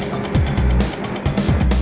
lo sudah bisa berhenti